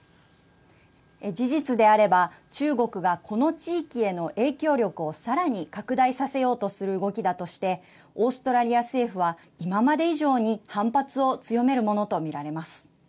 事実であれば中国が、この地域への影響力をさらに拡大させようとする動きだとしてオーストラリア政府は今まで以上に反発を強めるものとみられます。